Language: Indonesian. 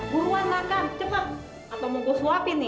buruan makan cepet atau mau gua suapin nih